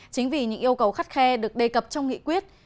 chính vì những yêu cầu khắt khe được đề cập trong nghị quyết